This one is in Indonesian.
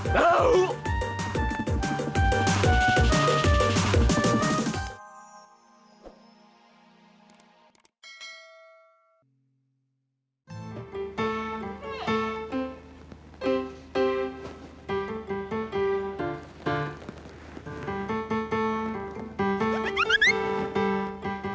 kenapa kita masuk sini